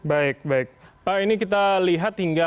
baik baik pak ini kita lihat hingga